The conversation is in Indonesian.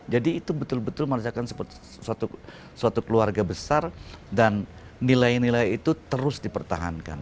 jadi itu betul betul merasakan seperti suatu keluarga besar dan nilai nilai itu terus dipertahankan